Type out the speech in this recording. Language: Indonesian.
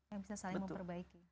yang bisa saling memperbaiki